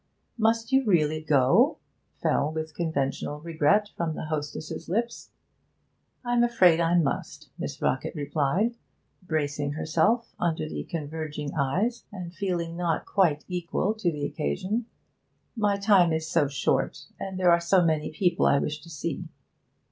'Must you really go?' fell with conventional regret from the hostess's lips. 'I'm afraid I must,' Miss Rockett replied, bracing herself under the converging eyes and feeling not quite equal to the occasion. 'My time is so short, and there are so many people I wish to see.'